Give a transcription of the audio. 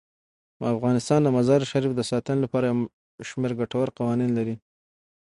افغانستان د مزارشریف د ساتنې لپاره یو شمیر ګټور قوانین لري.